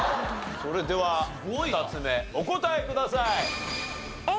それでは２つ目お答えください。